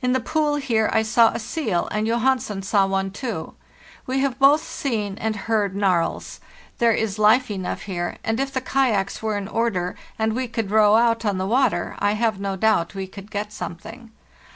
In the pool here I saw a seal, and Johansen saw one too. We have both seen and heard narwhals. There is life enough here, and if the kayaks were in order, and we could row out on the water, | have no doubt we could get something.